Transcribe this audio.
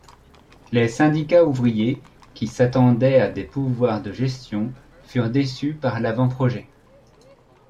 Les syndicats ouvriers, qui s’attendaient à des pouvoirs de gestion, furent déçus par l’avant-projet.